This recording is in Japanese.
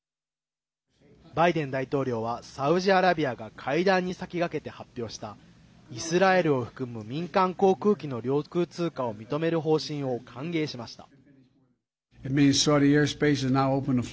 バイデン大統領はサウジアラビアが会談に先駆けて発表したイスラエルを含む民間航空機の領空通過を認める方針を歓迎しました。